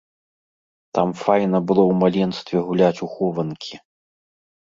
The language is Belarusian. Там файна было ў маленстве гуляць у хованкі.